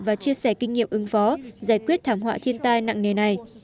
và chia sẻ kinh nghiệm ứng phó giải quyết thảm họa thiên tai nặng nề này